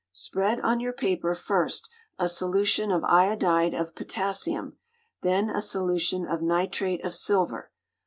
Spread on your paper first a solution of iodide of potassium, then a solution of nitrate of silver.